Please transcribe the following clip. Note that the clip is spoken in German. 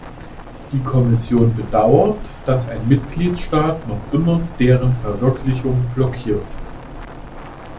Die Kommission bedauert, dass ein Mitgliedstaat noch immer deren Verwirklichung blockiert.